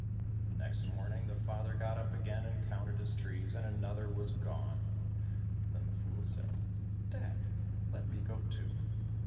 The next morning the father got up again and counted his trees, and another was gone. Then the fool said, " Dad, let me go too